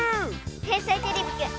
「天才てれびくん」